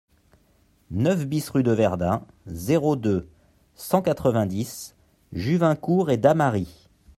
neuf BIS rue de Verdun, zéro deux, cent quatre-vingt-dix, Juvincourt-et-Damary